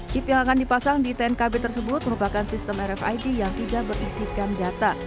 chip yang akan dipasang di tnkb tersebut merupakan sistem rfid yang tidak berisikan data